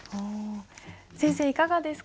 先生いかがですか？